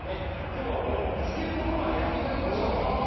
今日はもう見つけるところまでやっていただきましょう。